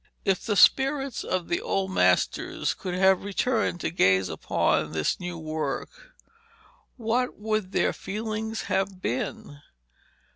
If the spirits of the old masters could have returned to gaze upon this new work, what would their feelings have been?